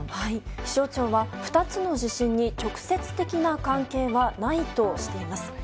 気象庁は２つの地震に直接的な関係はないとしています。